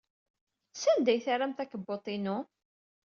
Sanda ay terram akebbuḍ-inu?